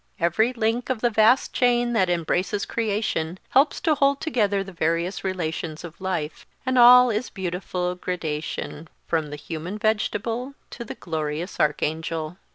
Every link of the vast chain that embraces creation helps to hold together the various relations of life; and all is beautiful gradation, from the human vegetable to the glorious archangel.